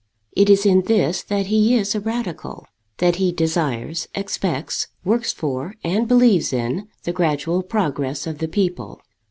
It is in this that he is a radical; that he desires, expects, works for, and believes in, the gradual progress of the people.